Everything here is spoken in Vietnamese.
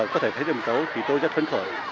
có thể thấy một cấu thì tôi rất phấn khởi